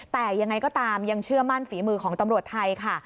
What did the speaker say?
แต่ยังไงก็ตามยังเชื่อมั่นฝีมือของตำรวจไทยค่ะ